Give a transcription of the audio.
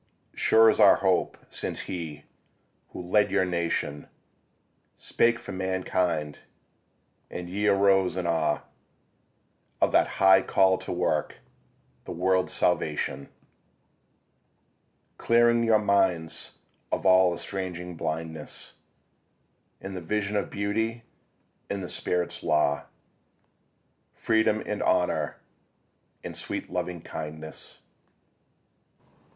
Sure is our hope since he, who led your nation, Spake for mankind; and ye arose in awe Of that high call to work the world's salvation; Clearing your minds of all estranging blindness In the vision of Beauty, and the Spirit's law, Freedom and Honour and sweet Loving kindness.